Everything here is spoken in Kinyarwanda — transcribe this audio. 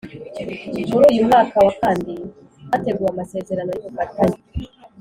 Muri uyu mwaka wa kandi hateguwe amasezerano y ubufatanye